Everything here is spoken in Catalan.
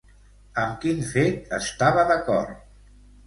Amb quin fet estava d'acord?